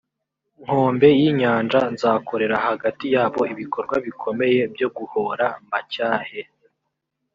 nkombe y inyanja nzakorera hagati yabo ibikorwa bikomeye byo guhora mbacyahe